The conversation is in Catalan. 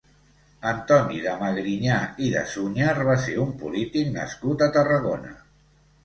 Antoni de Magrinyà i de Sunyer va ser un polític nascut a Tarragona.